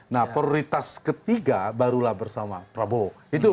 nah prioritas ketiga barulah bersama prabowo